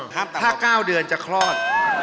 ถ้า๙เดือนจะคลอด